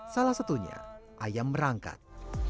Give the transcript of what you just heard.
salah satunya ayam merangkat